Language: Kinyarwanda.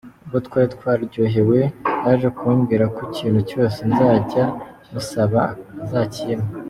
Ubwo twari twaryohewe yaje kumbwira ko ikintu cyose nzajya musaba azakimpa.